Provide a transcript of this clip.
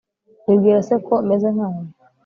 wibwira se ko meze nkawe